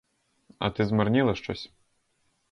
А ти змарніла щось.